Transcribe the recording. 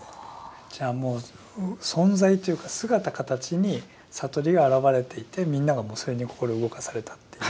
じゃあもう存在というか姿形に悟りが現れていてみんながそれに心動かされたっていう。